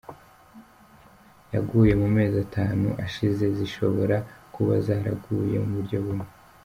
yaguye mu mezi atanu ashize zishobora kuba zaraguye mu buryo bumwe